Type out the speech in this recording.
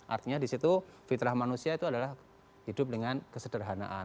artinya di situ fitrah manusia itu adalah hidup dengan kesederhanaan